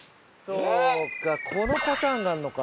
そうかこのパターンがあるのか。